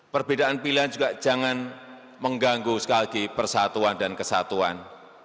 perbedaan pilihan juga jangan mengganggu sekali lagi persatuan dan kesatuan